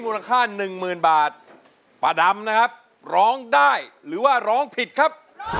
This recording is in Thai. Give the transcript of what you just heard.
มูลค่าหนึ่งหมื่นบาทป้าดำนะครับร้องได้หรือว่าร้องผิดครับ